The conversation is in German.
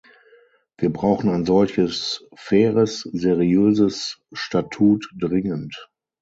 Wir brauchen ein solches faires, seriöses Statut dringend.